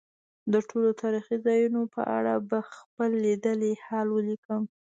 د ټولو تاریخي ځایونو په اړه به خپل لیدلی حال ولیکم.